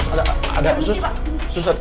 ada apa sus